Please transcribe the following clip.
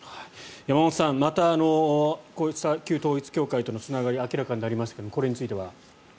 山本さん、またこうした旧統一教会とのつながりが明らかになりましたがこれについては。